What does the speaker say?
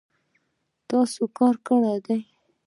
تاسو کار کړی دی